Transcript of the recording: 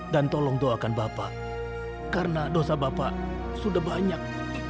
dan tolong doakan bapak karena dosa bapak sudah banyak